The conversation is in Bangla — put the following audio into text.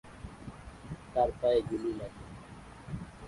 তাঁর পায়ে গুলি লাগে।